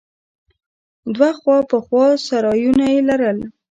دوه خوا په خوا سرايونه يې لرل.